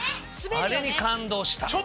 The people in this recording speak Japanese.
あれに感動した。